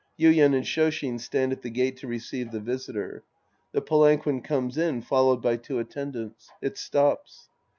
(Yuien ak^ Shoshin stand at the gate to receive the visitor. The palanquin comes in followed by two Attendants. It stops.)